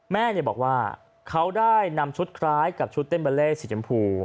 แม่บอกว่าเขาได้นำชุดคล้ายกับชุดเต้นบาเล่สีชมพู